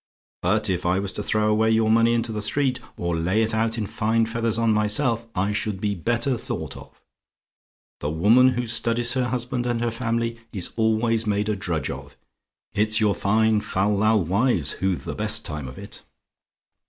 But if I was to throw away your money into the street, or lay it out in fine feathers on myself, I should be better thought of. The woman who studies her husband and her family is always made a drudge of. It's your fine fal lal wives who've the best time of it.